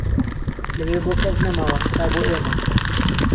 لە وێ بۆ کەس نەماوە هەتا بۆ ئیمە